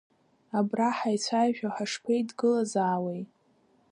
Абра ҳаицәажәо, ҳашԥеидгылазаауеи?